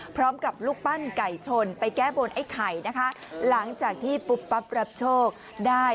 พร้อมกับรูปปั้นไก่ชนไปแก้บนไอ้ไข่นะคะหลังจากที่ปุ๊บปั๊บรับโชคได้